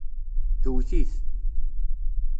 Twet-it.